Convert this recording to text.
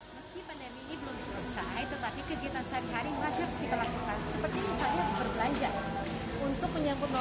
meski pandemi ini belum selesai tetapi kegiatan sehari hari harus dilakukan seperti misalnya berbelanja